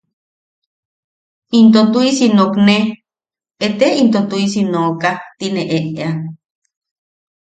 Into tuʼisi itom nookne... “ete into tuʼisi nooka” ti ne eʼea.